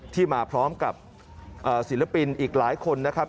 ที่มาพร้อมกับศิลปินอีกหลายคนนะครับ